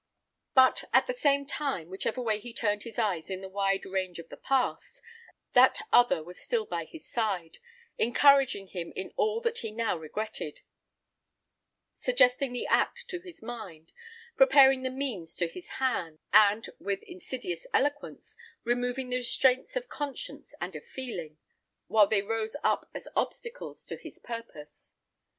But, at the same time, whichever way he turned his eyes in the wide range of the past, that other was still by his side, encouraging him in all that he now regretted; suggesting the act to his mind, preparing the means to his hand, and, with insidious eloquence, removing the restraints of conscience and of feeling, while they rose up as obstacles to his purpose.